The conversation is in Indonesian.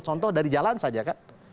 contoh dari jalan saja kak